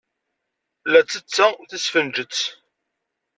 La ttetteɣ tisfenjet.